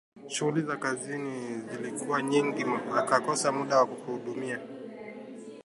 Shughuli za kazini zilikua nyingi akakosa muda wa kutuhudumia